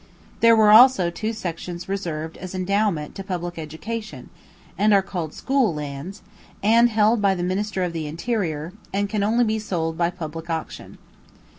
There were also two sections reserved as endowment to public education, and are called School Lands, and held by the minister of the Interior, and can only be sold by public auction.